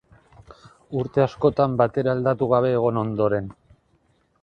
Urte askotan batere aldatu gabe egon ondoren.